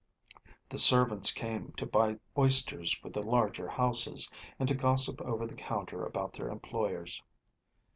The servants came to buy oysters for the larger houses, and to gossip over the counter about their employers.